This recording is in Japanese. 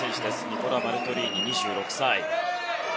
ニコラ・バルトリーニ、２６歳。